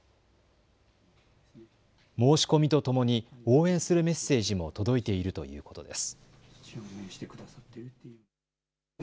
申し込みとともに応援するメッセージも届いているということです。